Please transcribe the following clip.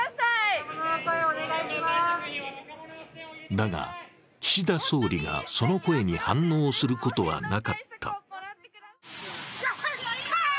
だが、岸田総理がその声に反応することはなかった。